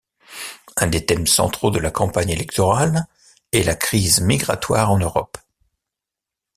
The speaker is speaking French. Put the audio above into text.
Un des thèmes centraux de la campagne électorale est la crise migratoire en Europe.